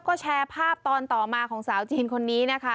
ก็แชร์ภาพตอนต่อมาของสาวจีนคนนี้นะคะ